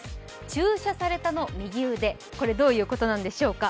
注射されたの右腕、どういうことでしょうか。